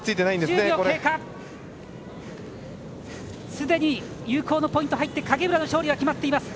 すでに有効のポイント入って影浦の勝利は決まっています。